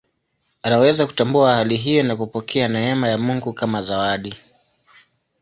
Anaweza kutambua hali hiyo na kupokea neema ya Mungu kama zawadi.